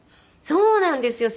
そうなんですよ。